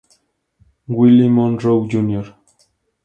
Willie Monroe, Jr.